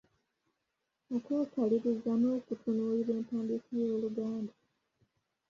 Okwekaliriza n’okutunuulira empandiika y’Oluganda.